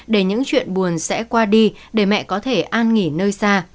để những chuyện buồn sẽ qua đi để mẹ có thể an nghỉ nơi xa